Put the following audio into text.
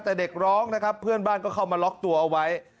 แต่เด็กร้องนะครับเพื่อนบ้านก็เข้ามาล็อกตัวเอาไว้